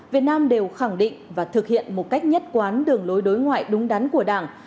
việt nam đều khẳng định và thực hiện một cách nhất quán đường lối đối ngoại đúng đắn của đảng